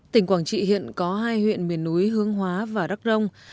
tỉnh quảng trị hiện có hai huyện miền núi hương hóa và đắc rông